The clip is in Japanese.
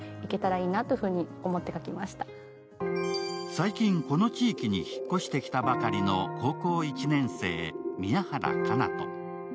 最近、この地域に引っ越してきたばかりの高校１年生・宮原奏斗。